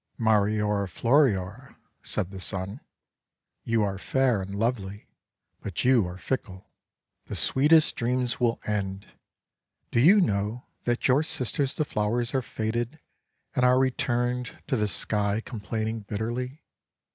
"Mariora Floriora," said the Sun, "you are fair and lovely, but you are fickle. The sweetest dreams will end ! Do you know that your sisters the flowers are faded and are returned to the Sky complaining bitterly?